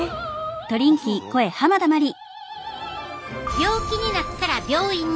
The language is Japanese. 病気になったら病院に。